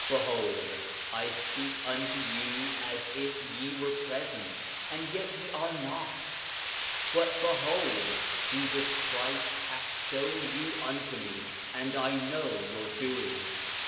8:35 Behold, I speak unto you as if ye were present, and yet ye are not. But behold, Jesus Christ hath shown you unto me, and I know your doing.